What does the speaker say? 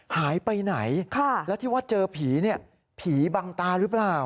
หายไปไหนแล้วที่ว่าเจอผีเนี่ยผีบังตาหรือเปล่า